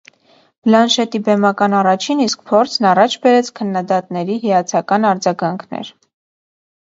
Բլանշետի բեմական առաջին իսկ փորձն առաջ բերեց քննադատների հիացական արձագանքներ։